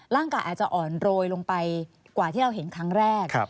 อาจจะอ่อนโรยลงไปกว่าที่เราเห็นครั้งแรก